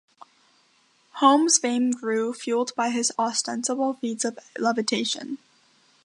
Home's fame grew, fuelled by his ostensible feats of levitation.